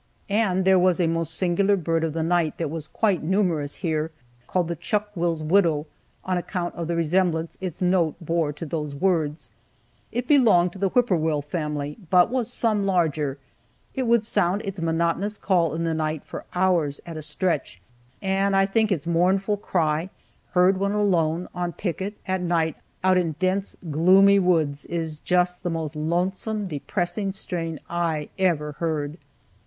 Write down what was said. And there was a most singular bird of the night that was quite numerous here, called the "chuck will's widow," on account of the resemblance its note bore to those words. It belonged to the whippoorwill family, but was some larger. It would sound its monotonous call in the night for hours at a stretch, and I think its mournful cry, heard when alone, on picket at night out in dense, gloomy woods, is just the most lonesome, depressing strain I ever heard.